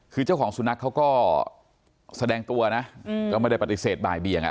คือเจ้าของสุนัขเขาก็แสดงตัวนะก็ไม่ได้ปฏิเสธบ่ายเบียง